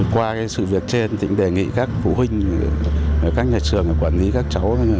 qua sự việc trên tỉnh đề nghị các phụ huynh các nhà trường quản lý các cháu